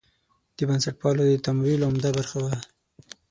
د بنسټپالو د تمویل عمده برخه وه.